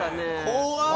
怖っ！